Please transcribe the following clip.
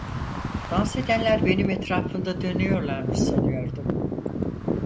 Dans edenler benim etrafımda dönüyorlarmış sanıyordum.